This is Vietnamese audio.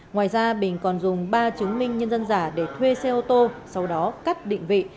ngoài ra bình còn dùng ba chứng minh nhân dân giả để thuê xe ô tô sau đó cắt định vị